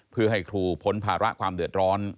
เพื่อให้ครูพ้นภาระความเดือดร้อน